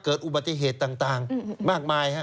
เกิดอุบัติเหตุต่างมากมาย